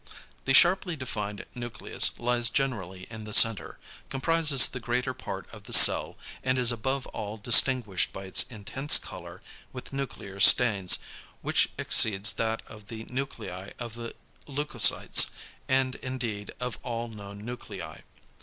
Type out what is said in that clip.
The sharply defined nucleus lies generally in the centre, comprises the greater part of the cell, and is above all distinguished by its intense colour with nuclear stains, which exceeds that of the nuclei of the leucocytes, and indeed of all known nuclei.